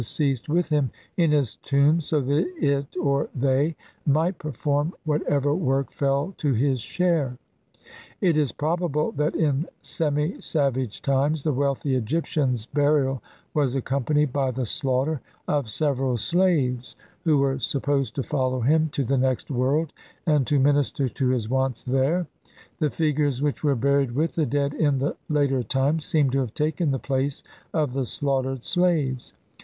ceased with him in his tomb so that it or they might perform whatever work fell to his share. It is pro bable that in semi savage times the wealthy Egyp tian's burial was accompanied by the slaughter of several slaves, who were supposed to follow him to the next, world and to minister to his wants there ; the figures which were buried with the dead in the later times seem to have taken the place of the slaughtered slaves.